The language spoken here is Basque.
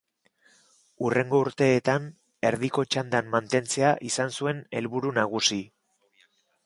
Hurrengo urteetan erdiko txandan mantentzea izan zuen helburu nagusi.